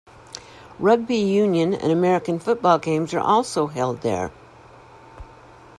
Rugby union and American football games are also held there.